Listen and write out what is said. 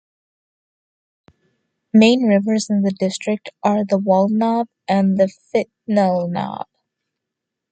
Main rivers in the district are the Waldnaab and the Fichtelnaab.